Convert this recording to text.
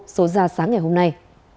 số ra sáng ngày hôm nay